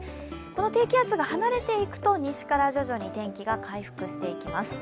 この低気圧が離れていくと西から徐々に天気が回復していきます。